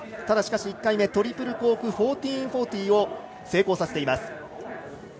ただ、しかし１回目トリプルコーク１４４０を成功させています。